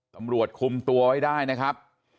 ตำรวจคุมตัวไว้ได้นะครับ